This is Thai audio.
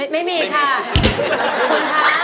ไม่มีค่ะ